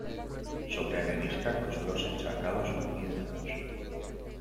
Sobre areniscas con suelos encharcados o muy húmedos.